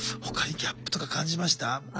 他にギャップとか感じました？